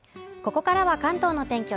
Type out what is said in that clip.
ここからは関東のお天気